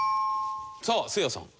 さあせいやさん。